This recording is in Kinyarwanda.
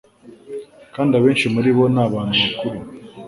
kandi abenshi muri bo ni abantu bakuru